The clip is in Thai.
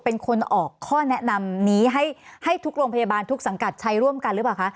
เป็นคนออกข้อแนะนำนี้ให้ทุกโรงพยาบาลทุกสังกัดใช้ร่วมกันหรือเปล่าคะ